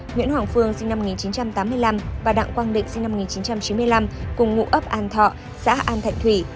nguyễn hoàng phương sinh năm một nghìn chín trăm tám mươi năm và đặng quang định sinh năm một nghìn chín trăm chín mươi năm cùng ngụ ấp an thọ xã an thạnh thủy